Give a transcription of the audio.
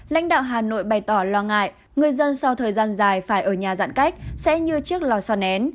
lãnh đạo hà nội bày tỏ lo ngại người dân sau thời gian dài phải ở nhà giãn cách sẽ như chiếc lò xoàn én